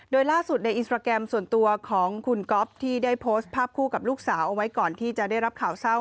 โดยล่าสุดในอินสตราแกรมส่วนตัวของคุณก๊อฟที่ได้โพสต์ภาพคู่กับลูกสาวเอาไว้ก่อนที่จะได้รับข่าวเศร้า